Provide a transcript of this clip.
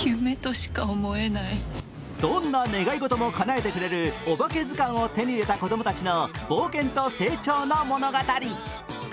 どんな願い事もかなえてくれるおばけずかんを手に入れた子どもたちの冒険と成長の物語。